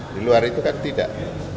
di luar itu kan tidak